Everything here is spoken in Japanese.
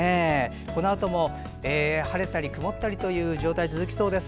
このあとも晴れたり曇ったりという状態が続きそうです。